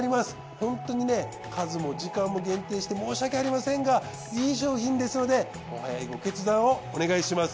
本当に数も時間も限定して申し訳ありませんがいい商品ですのでお早いご決断をお願いします。